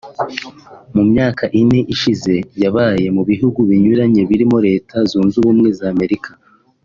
mu myaka ine ishize yabaye mu bihugu binyuranye birimo Leta Zunze Ubumwe za Amerika